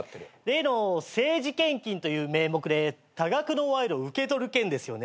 例の政治献金という名目で多額の賄賂を受け取る件ですよね。